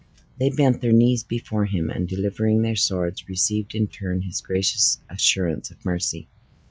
They bent their knees before him; and delivering their swords, received in return, his gracious assurance of mercy.